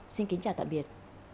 xin kính chào tạm biệt